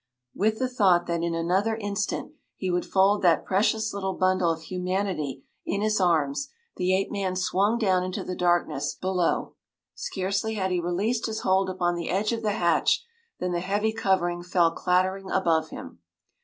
With the thought that in another instant he would fold that precious little bundle of humanity in his arms, the ape man swung down into the darkness below. Scarcely had he released his hold upon the edge of the hatch than the heavy covering fell clattering above him.